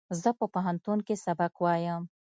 زه په پوهنتون کښې سبق وایم